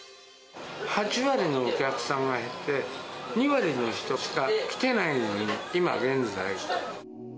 ８割のお客さんが減って、２割の人しか来てない、今現在。